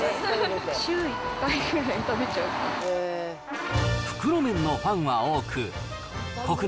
週１回ぐらい食べちゃうかな。